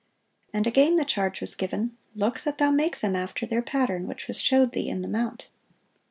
And again the charge was given, "Look that thou make them after their pattern, which was showed thee in the mount."